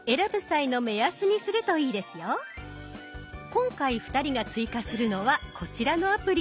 今回２人が追加するのはこちらのアプリ。